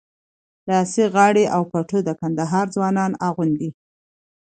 لاسي غاړه او پټو د کندهار ځوانان اغوندي.